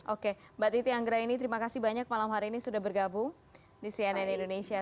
oke mbak titi anggraini terima kasih banyak malam hari ini sudah bergabung di cnn indonesia